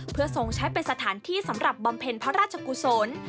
เพื่อทรงใช้เป็นสถานที่สำหรับบำเพ็ญพระราชกุศล